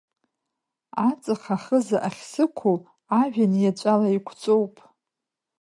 Аҵых ахыза ахьсықәу, ажәҩан иаҵәала иқәҵоуп.